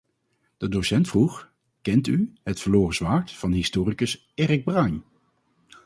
De docent vroeg: "Kent u 'Het Verloren Zwaard' van historicus Erik Bruin?"